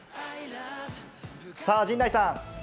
さあ、陣内さん。